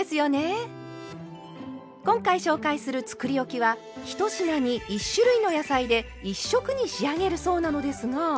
今回紹介するつくりおきは１品に１種類の野菜で１色に仕上げるそうなのですが。